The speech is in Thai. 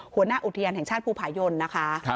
หัวหน้าอุทยานแห่งชาติภูผายนนะคะ